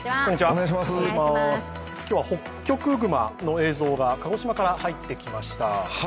今日はホッキョクグマの映像が鹿児島から入ってきました。